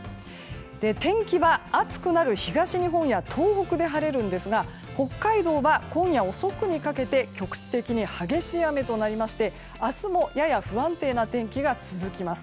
天気は、暑くなる東日本や東北で晴れるんですが北海道は今夜遅くにかけて局地的に激しい雨となりまして明日もやや不安定な天気が続きます。